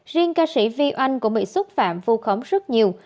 riêng ca sĩ vy oanh cũng bị xúc phạm vu khống rất nhiều